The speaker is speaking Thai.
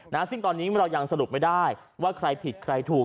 ซึ่งตอนนี้เรายังสรุปไม่ได้ว่าใครผิดใครถูก